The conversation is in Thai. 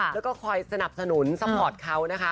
แล้วก็คอยสนับสนุนซัพพอร์ตเขานะคะ